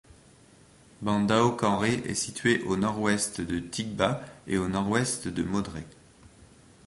Bandaokanré est situé à au Nord-Ouest de Tibga et au Nord-Ouest de Modré.